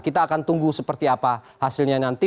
kita akan tunggu seperti apa hasilnya nanti